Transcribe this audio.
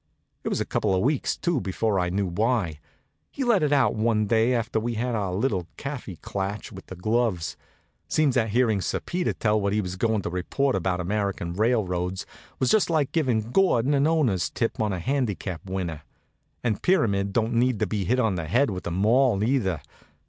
It was a couple of weeks, too, before I knew why. He let it out one day after we'd had our little kaffee klatch with the gloves. Seems that hearing Sir Peter tell what he was goin' to report about American railroads was just like givin' Gordon an owner's tip on a handicap winner; and Pyramid don't need to be hit on the head with a maul, either.